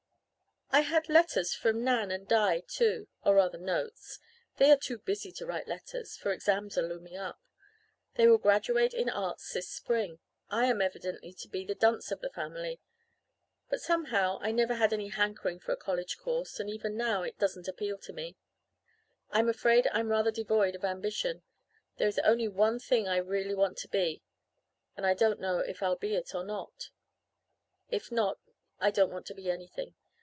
"I had letters from Nan and Di too or rather notes. They are too busy to write letters, for exams are looming up. They will graduate in Arts this spring. I am evidently to be the dunce of the family. But somehow I never had any hankering for a college course, and even now it doesn't appeal to me. I'm afraid I'm rather devoid of ambition. There is only one thing I really want to be and I don't know if I'll be it or not. If not I don't want to be anything.